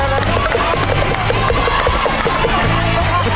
เร็ว